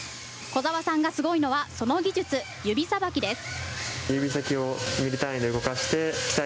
小澤さんがすごいのは、その技術、指さばきです。